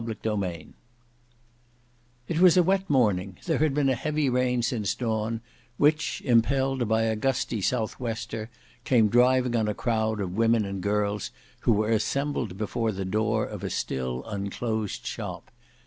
Book 3 Chapter 3 It was a wet morning; there had been a heavy rain since dawn, which impelled by a gusty south wester came driving on a crowd of women and girls who were assembled before the door of a still unclosed shop.